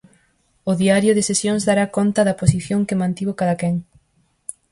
O Diario de Sesións dará conta da posición que mantivo cadaquén.